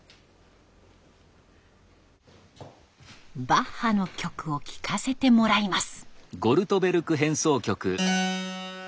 バッハの曲を聴かせてもらいます。